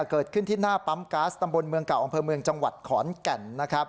เกิดขึ้นที่หน้าปั๊มก๊าซตำบลเมืองเก่าอำเภอเมืองจังหวัดขอนแก่นนะครับ